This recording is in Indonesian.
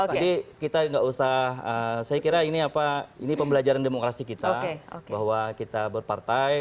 jadi kita tidak usah saya kira ini pembelajaran demokrasi kita bahwa kita berpartai